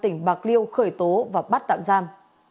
tỉnh bạc liêu khởi tố và bắt tạm giam